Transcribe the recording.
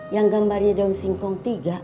yang gambarnya daun singkong tiga